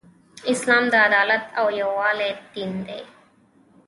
اسلام د عدالت او یووالی دین دی .